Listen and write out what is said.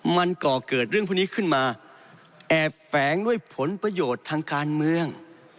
มันก่อเกิดเรื่องพวกนี้ขึ้นมาแอบแฝงด้วยผลประโยชน์ทางการเมือง